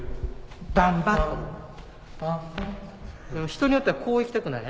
・・バンバン・でも人によってはこう行きたくない？